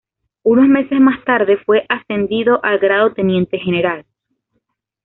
Unos meses más tarde fue ascendido al grado Teniente general.